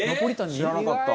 「知らなかった」